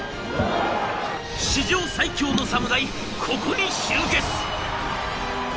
史上最強の侍、ここに集結！